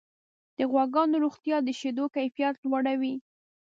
د غواګانو روغتیا د شیدو کیفیت لوړوي.